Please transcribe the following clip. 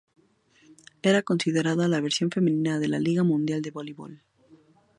Era considerada la versión femenina de la Liga Mundial de Voleibol.